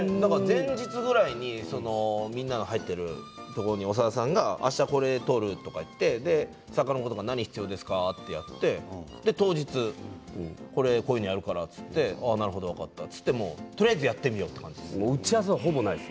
前日ぐらいにみんなが入ってるところに長田さんがあした、これ撮るとか言って作家が何が必要ですか？って言って当日こういうのやるからって言ってなるほど、分かったって言ってとりあえずやってみよう打ち合わせはほぼないです。